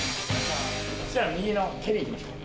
じゃあ、右の蹴りいきましょうか。